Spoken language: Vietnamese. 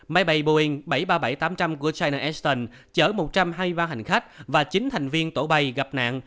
máy bay boeing bảy trăm ba mươi bảy tám trăm linh của china aston chở một trăm hai mươi ba hành khách và chín thành viên tổ bay gặp nạn